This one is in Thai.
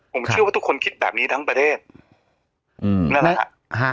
ผมเชื่อว่าทุกคนคิดแบบนี้ทั้งประเทศอืมนั่นแหละฮะ